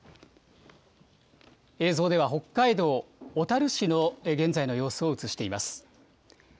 映像では北海道小樽市の現在の様子を映しています。